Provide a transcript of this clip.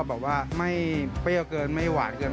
บอกว่าไม่เปรี้ยวเกินไม่หวานเกิน